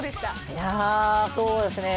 いやそうですね